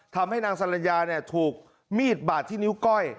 ทำให้นางสรรญาถูกมีดบาดที่นิ้วก้อย